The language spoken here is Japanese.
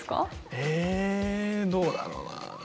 えーどうだろうな。